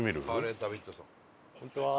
こんにちは。